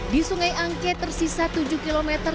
di sungai angkia tersisa dua puluh km yang belum dikerjakan